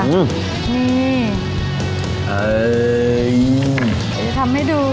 นี่